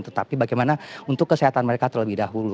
tetapi bagaimana untuk kesehatan mereka terlebih dahulu